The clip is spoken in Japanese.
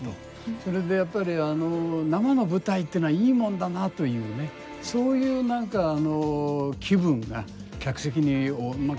それでやっぱり生の舞台っていうのはいいもんだなというねそういう何か気分が客席に充満してる感じがしますですね。